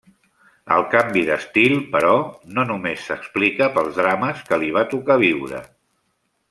El canvi d'estil, però, no només s'explica pels drames que li va tocar viure.